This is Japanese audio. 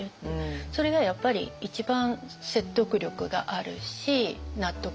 それがやっぱり一番説得力があるし納得性が高い。